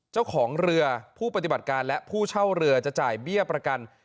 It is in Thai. เจ้าของเรือผู้ปฏิบัติการและผู้เช่าเรือจะจ่ายเบี้ยประกัน